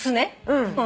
うん。